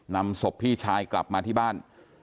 นำศพพี่ชายกลับมาที่บ้าน